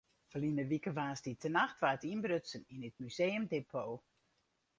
Ferline wike woansdeitenacht waard ynbrutsen yn it museumdepot.